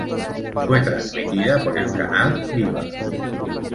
Fue transmitida por el canal Viva.